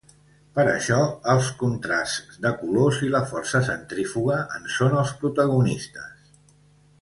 Per això els contrasts de colors i la força centrífuga en són els protagonistes.